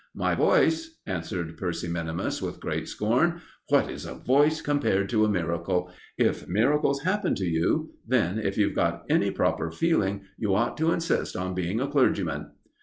"My voice!" answered Percy minimus with great scorn. "What is a voice compared to a miracle? If miracles happen to you, then, if you've got any proper feeling, you ought to insist on being a clergyman."